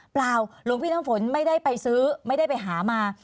หลวงพี่น้ำฝนไม่ได้ไปซื้อไม่ได้ไปหามา